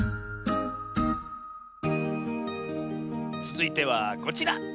つづいてはこちら。